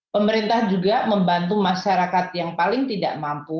pemerintah juga membantu masyarakat yang paling tidak mampu